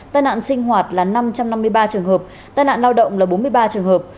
tai nạn sinh hoạt là năm trăm năm mươi ba trường hợp tai nạn lao động là bốn mươi ba trường hợp